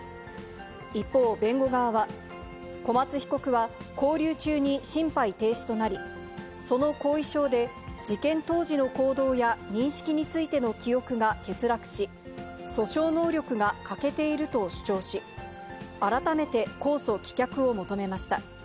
一方、弁護側は、小松被告は勾留中に心肺停止となり、その後遺症で事件当時の行動や認識についての記憶が欠落し、訴訟能力が欠けていると主張し、改めて公訴棄却を求めました。